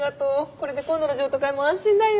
これで今度の譲渡会も安心だよ。